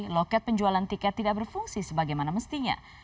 loket penjualan tiket tidak berfungsi sebagaimana mestinya